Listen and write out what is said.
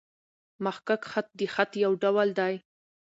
محقق خط؛ د خط یو ډول دﺉ.